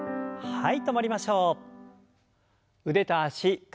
はい。